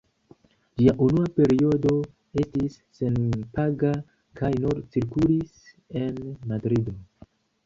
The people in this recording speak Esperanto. Ĝia unua periodo estis senpaga kaj nur cirkulis en Madrido.